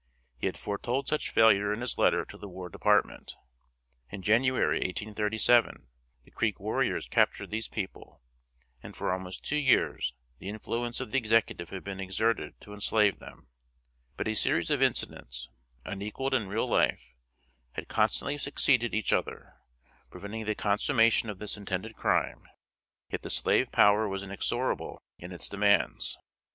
He had foretold such failure in his letter to the War Department. In January, 1837, the Creek warriors captured these people, and for almost two years the influence of the Executive had been exerted to enslave them; but a series of incidents, unequaled in real life, had constantly succeeded each other, preventing the consummation of this intended crime; yet the slave power was inexorable in its demands.